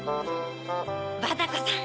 バタコさん